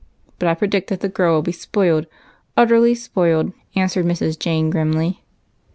But I predict that the girl will be spoilt, utterly spoilt," answered Mrs. Jane, grimly.